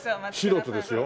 素人ですよ？